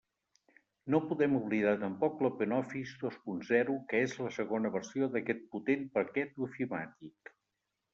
No podem oblidar tampoc l'OpenOffice dos punt zero que és la segona versió d'aquest potent paquet ofimàtic.